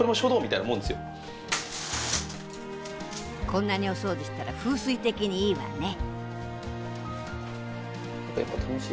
こんなにお掃除したら風水的にいいわね。